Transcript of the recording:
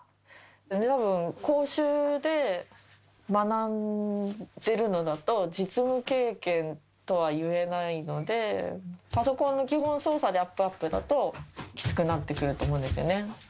たぶん講習で学んでるのだと、実務経験とは言えないので、パソコンの基本操作であっぷあっぷだと、きつくなってくると思うんですよね。